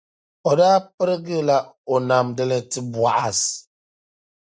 o daa pirigi la o namdili ti Bɔaz.